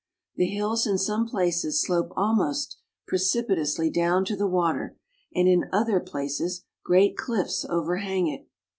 The hills in some places slope almost precipitously down to the water, and in other palaces great cliffs overhang it.